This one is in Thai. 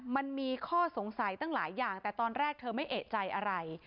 มันมีข้อสงสัยตั้งหลายอย่างแต่ตอนแรกเธอไม่เอกใจอะไร